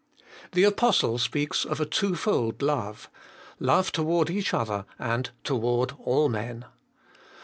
The Apostle speaks of a twofold love, ' love toward each other, and toward all men.'